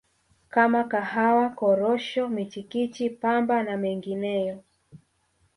kama Kahawa Korosho michikichi Pamba na mengineyo